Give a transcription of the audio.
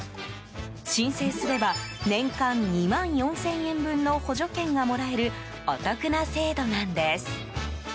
申請すれば年間２万４０００円分の補助券がもらえるお得な制度なんです。